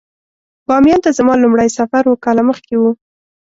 بامیان ته زما لومړی سفر اووه کاله مخکې و.